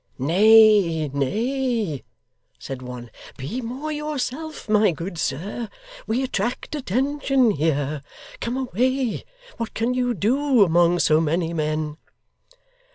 'Nay, nay,' said one. 'Be more yourself, my good sir. We attract attention here. Come away. What can you do among so many men?